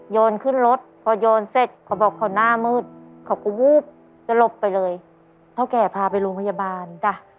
อยู่โรงพยาบาลจ้ะ